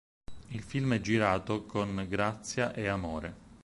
Il film è girato con grazia e amore.